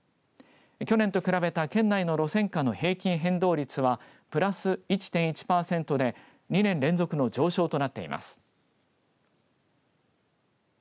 去年と比べた県内の路線価の平均変動率はプラス１．１パーセントで２年連続の上昇となっています。